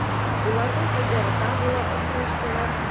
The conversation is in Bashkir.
Уларҙың күҙҙәре тағы ла осраштылар.